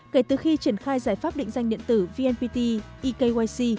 kể từ khi triển khai giải pháp định danh điện tử vnpt ekyc